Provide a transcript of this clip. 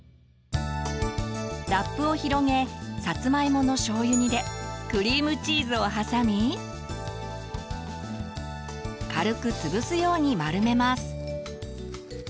ラップを広げさつまいものしょうゆ煮でクリームチーズをはさみ軽く潰すように丸めます。